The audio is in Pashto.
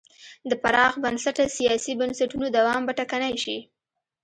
د پراخ بنسټه سیاسي بنسټونو دوام به ټکنی شي.